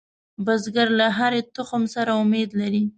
بزګر له هرې تخم سره امید لري